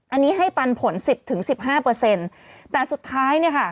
อันนี้ให้ปันผลสิบถึงสิบห้าเปอร์เซ็นต์แต่สุดท้ายเนี่ยค่ะ